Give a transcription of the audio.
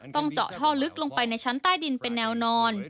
ต้องเจาะท่อลึกลงไปในชั้นใต้ดินเป็นแนวนอน